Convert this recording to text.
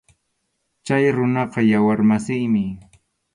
Chay runaqa yawar masiymi.